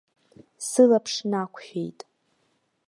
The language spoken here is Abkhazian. Сылаԥш нақәшәеит.